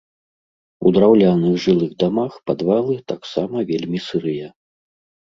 У драўляных жылых дамах падвалы таксама вельмі сырыя.